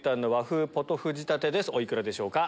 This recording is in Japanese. お幾らでしょうか？